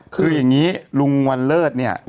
คืออย่างนี้ลุงวันเลิศเนี่ย